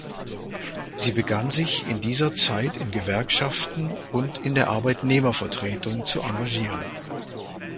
Sie begann sich in dieser Zeit in Gewerkschaften und in der Arbeitnehmervertretung zu engagieren.